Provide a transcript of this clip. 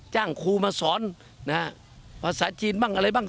จ้างครูมาสอนนะฮะภาษาจีนบ้างอะไรบ้าง